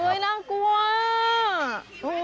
น่ากลัว